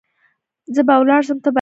زه به ولاړ سم ته به راسي .